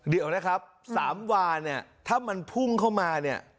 เดี๋ยวนะครับ๓วาถ้ามันพุ่งเข้ามา